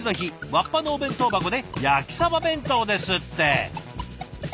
わっぱのお弁当箱で焼きさば弁当ですって。